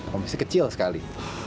komisi kecil sekali